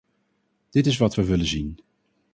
Dit is wat we willen zien.